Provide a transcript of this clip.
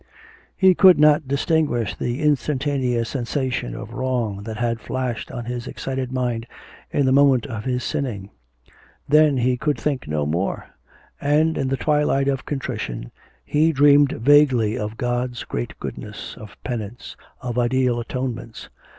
He could now distinguish the instantaneous sensation of wrong that had flashed on his excited mind in the moment of his sinning.... Then he could think no more, and in the twilight of contrition he dreamed vaguely of God's great goodness, of penance, of ideal atonements.